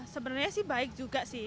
sebenarnya sih baik juga sih